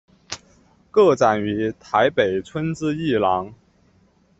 个展于台北春之艺廊。